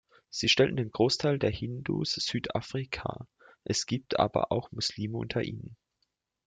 Sie stellen den Großteil der Hindus Südafrikas, es gibt aber auch Muslime unter ihnen.